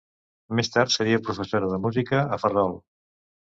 Més tard seria professora de música a Ferrol.